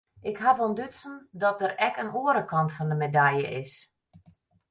Ik haw ûntdutsen dat der ek in oare kant fan de medalje is.